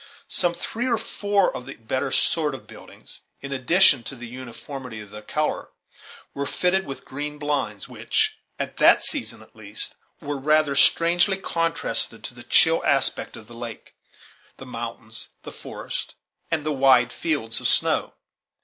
Some three or four of the better sort of buildings, in addition to the uniformity of their color, were fitted with green blinds, which, at that season at least, were rather strangely contrasted to the chill aspect of the lake, the mountains, the forests, and the wide fields of snow.